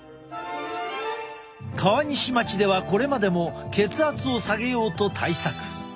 川西町ではこれまでも血圧を下げようと対策。